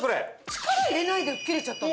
力入れないで切れちゃうって事？